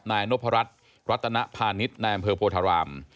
นายนพรรดิรัฐนภานิษฐ์ในอำเภอโพธาราม